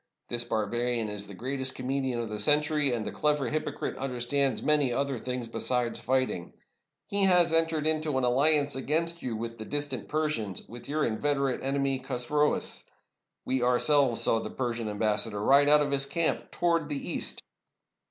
This barbarian is the greatest comedian of the century, and the clever h)Apocrite understands many other things be sides fighting. He has entered into an alliance against you with the distant Persians, with your inveterate enemy Chosroes. We ourselves saw the Persian am bassador ride out of his camp towards the East."